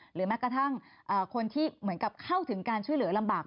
แม้กระทั่งคนที่เหมือนกับเข้าถึงการช่วยเหลือลำบาก